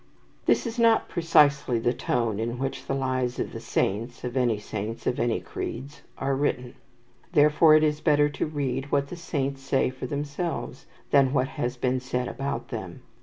This is not precisely the tone in which the lives of the saints (of any saints of any creeds) are written. Therefore is it better to read what the saints say for themselves than what has been said about them.